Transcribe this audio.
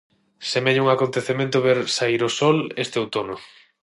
Semella un acontecemento ver saír o sol este outono.